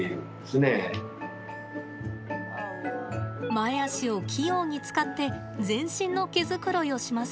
前足を器用に使って全身の毛づくろいをします。